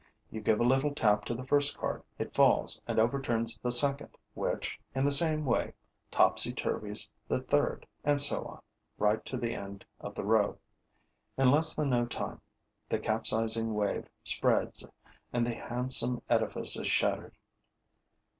You give a little tap to the first card. It falls and overturns the second, which, in the same way, topsy turvies the third; and so on, right to the end of the row. In less than no time, the capsizing wave spreads and the handsome edifice is shattered.